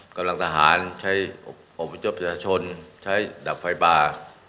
การทหารใช้อบวิจิตย์ประชานใช้ดับไฟปลา